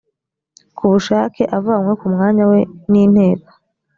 ku bushake avanywe ku mwanya we n inteko